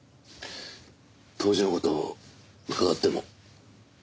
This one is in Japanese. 当時の事を伺っても？